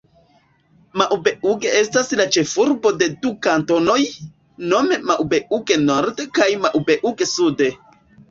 Maubeuge estas la ĉefurbo de du kantonoj, nome Maubeuge-Nord kaj Maubeuge-Sud.